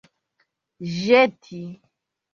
ĵeti